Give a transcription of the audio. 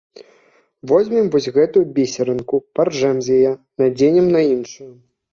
Возьмем вось гэтую бісерынку, паржэм з яе, надзенем на іншую.